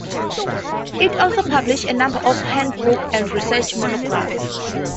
It also publishes a number of handbooks and research monographs.